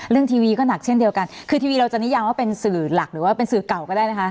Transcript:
ทีวีก็หนักเช่นเดียวกันคือทีวีเราจะนิยามว่าเป็นสื่อหลักหรือว่าเป็นสื่อเก่าก็ได้นะคะ